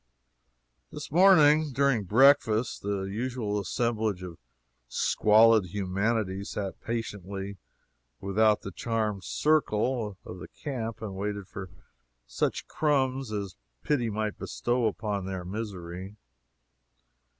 This morning, during breakfast, the usual assemblage of squalid humanity sat patiently without the charmed circle of the camp and waited for such crumbs as pity might bestow upon their misery.